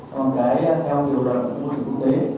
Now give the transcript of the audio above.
còn cái theo điều đặc của tư quốc tế